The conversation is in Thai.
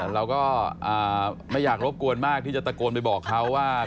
เราก็ไม่อยากรบกวนมากที่จะตะโกนไปบอกเขาว่า